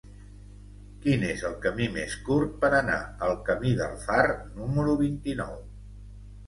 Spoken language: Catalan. Quin és el camí més curt per anar al camí del Far número vint-i-nou?